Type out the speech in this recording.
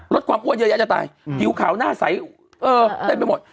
ลดความอ้วนเยอะแยะจะตายผิวขาวหน้าใสเต็มไปหมด